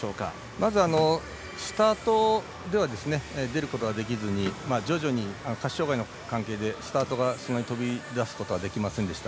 まず、スタートでは出ることができずに下肢障がいの関係でスタートが飛び出すことができませんでした。